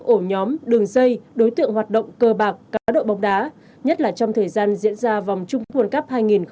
ổ nhóm đường dây đối tượng hoạt động cơ bạc cá độ bóng đá nhất là trong thời gian diễn ra vòng trung quân cấp hai nghìn hai mươi hai